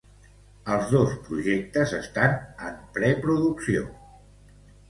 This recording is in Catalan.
Els dos projectes estan en preproducció.